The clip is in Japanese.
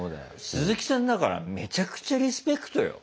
すずきさんだからめちゃくちゃリスペクトよ。